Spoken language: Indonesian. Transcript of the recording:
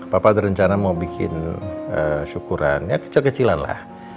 papa berencana mau bikin syukuran ya kecil kecilan lah